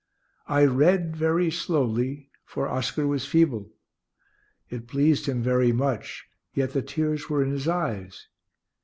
I read very slowly, for Oscar was feeble. It pleased him very much, yet the tears were in his eyes.